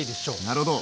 なるほど。